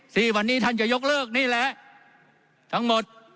ที่วันนี้ท่านจะนี่แหละทั้งหมด